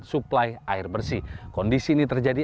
suplai air bersih kondisi ini terjadi